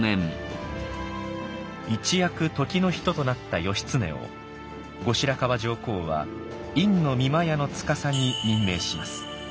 一躍時の人となった義経を後白河上皇は院御厩司に任命します。